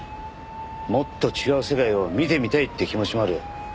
もっと違う世界を見てみたいっていう気持ちもある。